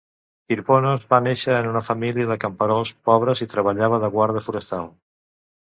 Kirponos va néixer en una família de camperols pobres i treballava de guarda forestal.